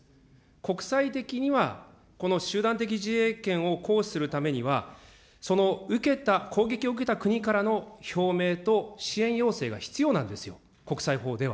国際的には、この集団的自衛権を行使するためには、その受けた、攻撃を受けた国からの表明と支援要請が必要なんですよ、国際法では。